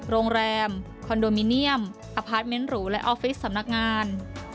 โรงแรมคอนโดมิเนียมอพาร์ทเมนต์หรูและออฟฟิศสำนักงาน